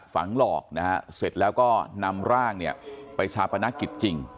ฝังหลอกเสร็จแล้วก็นำร่างไปชาปนากิจจริง